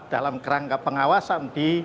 dalam kerangka pengawasan di